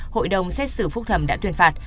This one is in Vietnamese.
hội đồng xét xử phúc thẩm đã tuyên phạt